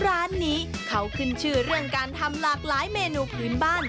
ร้านนี้เขาขึ้นชื่อเรื่องการทำหลากหลายเมนูพื้นบ้าน